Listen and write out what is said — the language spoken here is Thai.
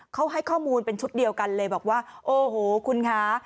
เขาให้ข้อมูลเป็นชุดเดียวกันเลยบอกว่าโอ้โหคุณคะ